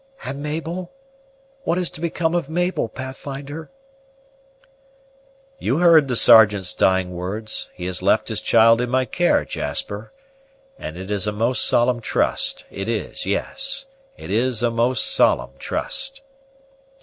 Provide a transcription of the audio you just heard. "And Mabel? What is to become of Mabel, Pathfinder?" "You heard the Sergeant's dying words; he has left his child in my care, Jasper; and it is a most solemn trust, it is; yes, it is a most solemn trust."